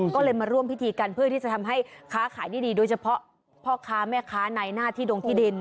ก็เลยมาร่วมพิธีกันเพื่อที่จะทำให้ค้าขายดีโดยเฉพาะพ่อค้าแม่ค้าในหน้าที่ดงที่ดิน